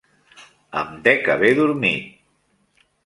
Em dec haver dormit.